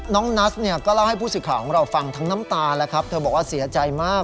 นัสเนี่ยก็เล่าให้ผู้สื่อข่าวของเราฟังทั้งน้ำตาแล้วครับเธอบอกว่าเสียใจมาก